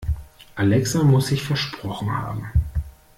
Alexa muss sich versprochen haben.